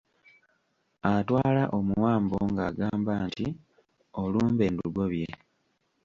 Atwala omuwambo ng'agamba nti: Olumbe ndugobye.